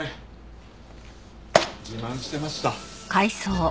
自慢してました。